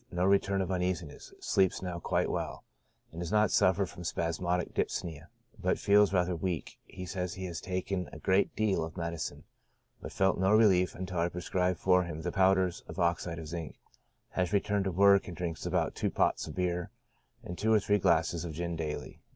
— No return of uneasiness, sleeps now quite well, does not suffer from spasmodic dyspnoea, but feels rather weak ; he says he has taken a great deal of medicine, but felt no rehef until I prescribed for him the powders of oxide of zinc. Has returned to work, and drinks about two pots of beer, and two or three glasses of gin daily.